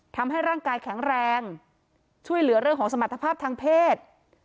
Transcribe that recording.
ทำให้ร่างกายแข็งแรงช่วยเหลือเรื่องของสมรรถภาพทางเพศ